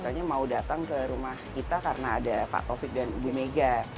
katanya mau datang ke rumah kita karena ada pak taufik dan ibu mega